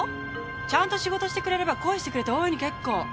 ちゃんと仕事してくれれば恋してくれて大いに結構。